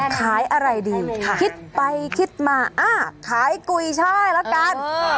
ขายอะไรดีคิดไปคิดมาอ้าขายกุยช่ายละกัน